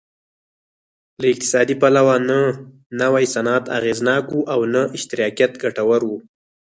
له اقتصادي پلوه نه نوی صنعت اغېزناک و او نه اشتراکیت ګټور و